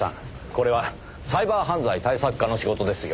これはサイバー犯罪対策課の仕事ですよ。